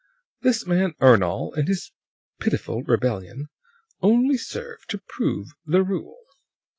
This man Ernol and his pitiful rebellion only serve to prove the rule.